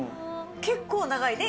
結構長いね。